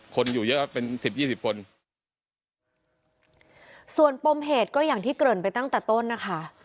คนอยู่เยอะเป็นสิบยี่สิบคนส่วนปมเหตุก็อย่างที่เกริ่นไปตั้งแต่ต้นนะคะ